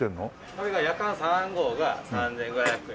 これがやかん３号が３５００円。